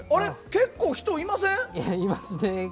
結構人いません？